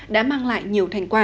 đã mang lại nhiều thành quả